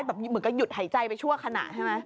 เหมือนกับหยุดหายใจไปชั่วขณะใช่ไหม